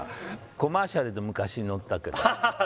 コマーシャルで昔乗ったけどハハハ